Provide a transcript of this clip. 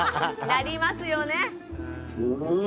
なりますよね。